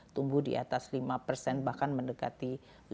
tumbuh di atas lima bahkan mendekati lima lima